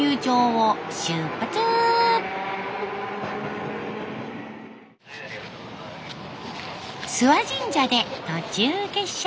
諏訪神社で途中下車。